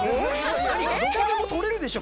どこでも撮れるでしょ